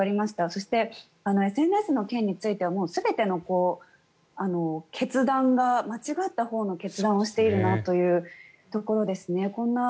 そしてＳＮＳの件に関しては全ての決断が間違ったほうの決断をしているなというところですね。